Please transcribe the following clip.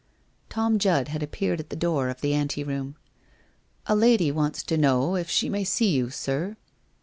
Tom Judd had appeared at the door of the anteroom. 1 A lady wants to know if she may see you, sir